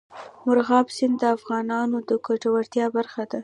مورغاب سیند د افغانانو د ګټورتیا برخه ده.